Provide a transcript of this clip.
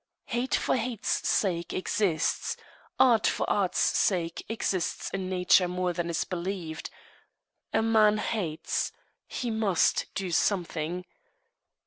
Hate for hate's sake exists. Art for art's sake exists in nature more than is believed. A man hates he must do something.